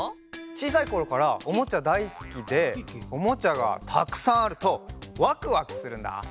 ちいさいころからおもちゃだいすきでおもちゃがたくさんあるとわくわくするんだ！